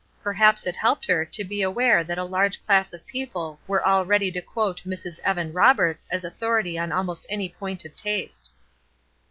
Perhaps it helped her, to be aware that a large class of people were all ready to quote "Mrs. Evan Roberts" as authority on almost any point of taste.